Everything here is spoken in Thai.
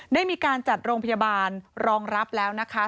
ได้มีการจัดโรงพยาบาลรองรับแล้วนะคะ